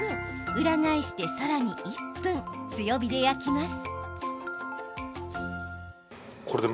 裏返して、さらに１分強火で焼きます。